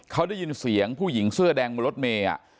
เขาได้ยินเสียงผู้หญิงเสื้อแดงบนรถเมย์